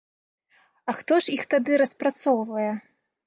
А хто ж іх тады распрацоўвае?